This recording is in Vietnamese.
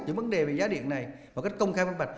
những vấn đề về giá điện này và các công khai phát bạch